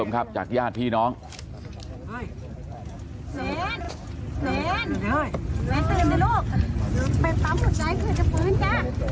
เมนเมนมีอะไรตื่นเรนลูก